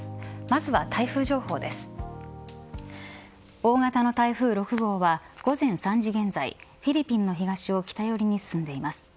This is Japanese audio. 大型の台風６号は午前３時現在フィリピンの東を北寄りに進んでいます。